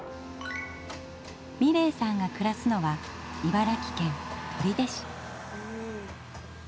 美礼さんが暮らすのは茨城県取手市。